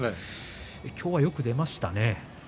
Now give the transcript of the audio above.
今日は、よく出ましたね。